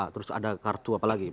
terus ada kartu apa lagi